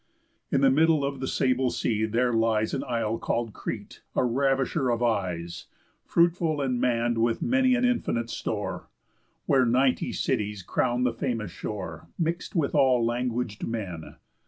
In middle of the sable sea there lies An isle call'd Crete, a ravisher of eyes, Fruitful, and mann'd with many an infinite store; Where ninety cities crown the famous shore, Mix'd with all languag'd men.